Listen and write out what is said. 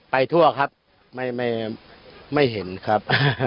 ทั่วครับไม่เห็นครับ